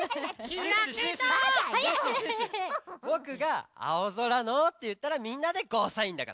「開けドア」ぼくが「青空の」っていったらみんなで「ゴーサイン」だから。